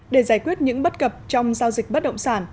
để giải quyết những bất cập trong giao dịch bất động sản